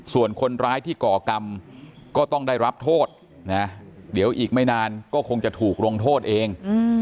ส่วนคนร้ายที่ก่อกรรมก็ต้องได้รับโทษนะเดี๋ยวอีกไม่นานก็คงจะถูกลงโทษเอง